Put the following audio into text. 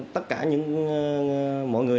tất cả những mọi người